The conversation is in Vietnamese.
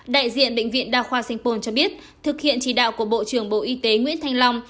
đại diện bệnh viện đa khoa sanh pôn cho biết thực hiện chỉ đạo của bộ trưởng bộ y tế nguyễn thanh long